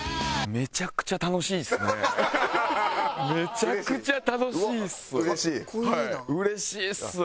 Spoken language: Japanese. めちゃくちゃ楽しいっす。